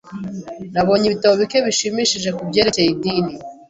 Nabonye ibitabo bike bishimishije kubyerekeye idini.